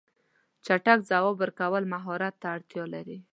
چټک ځواب ورکول مهارت ته اړتیا لري.